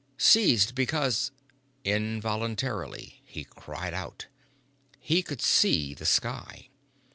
Ceased because Involuntarily he cried out. He could see the sky.